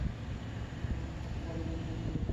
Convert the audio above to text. তোমার বাবা তোমাকে ভালো রকমই চেনেন, তাঁকে ভোলাতে পারবে না।